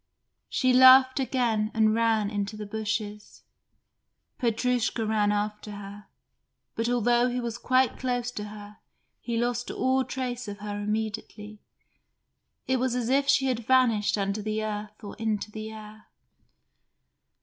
She laughed again and ran into the bushes. Petrushka ran after her, but although he was quite close to her he lost all trace of her immediately. It was as if she had vanished under the earth or into the air.